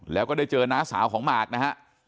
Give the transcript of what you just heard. แล้วก็ได้เจอน้าสาวของหมากนะฮะ